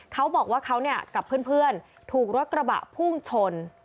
เขาบอกว่าเขากับเพื่อนถูกรถกระบะพุ่งชน